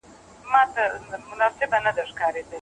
که دعا وي نو اړیکه نه پرې کیږي.